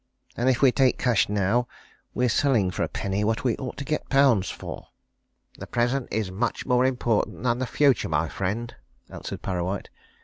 And if we take cash now we're selling for a penny what we ought to get pounds for." "The present is much more important than the future, my friend," answered Parrawhite.